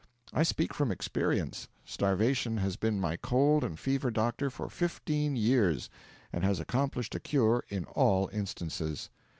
I speak from experience; starvation has been my cold and fever doctor for fifteen years, and has accomplished a cure in all instances.